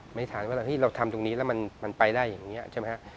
ปรินิทานว่านี่เราทำตรงนี้แล้วมันไปได้อย่างเงี้๊ยใช่มั้ยฮะ